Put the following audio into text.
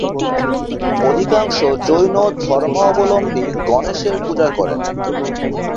অধিকাংশ জৈন ধর্মাবলম্বী গণেশের পূজা করেন।